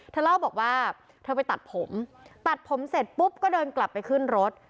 เธอเล่าบอกว่าเธอไปตัดผมตัดผมเสร็จปุ๊บก็เดินกลับไปขึ้นรถ